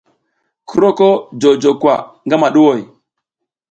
Ki roko jojo ko gamaɗuʼhoy?